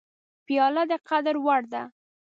پیاله د قدر وړ ده.